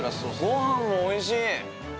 ◆ごはんもおいしい！